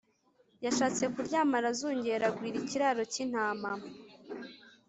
yashatse kuryama arazungera agwira ikiraro k’intama